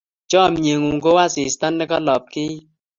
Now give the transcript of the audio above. Chamyengung ko u asista ne kalapkeit